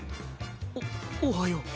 おおはよ。